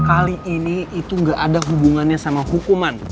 kali ini itu nggak ada hubungannya sama hukuman